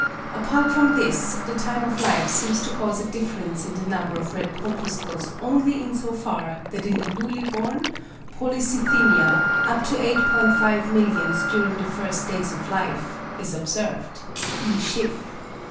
Apart from this, the time of life seems to cause a difference in the number of red corpuscles only in so far that in the newly born, polycythæmia (up to 8 1/2 millions during the first days of life) is observed (E. Schiff).